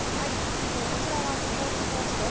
こちらはスポーツ報知です。